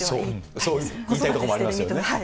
そう言いたいところもありますよね。